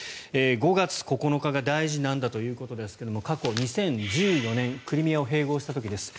５月９日が大事なんだということですが過去、２０１４年クリミアを併合した時です。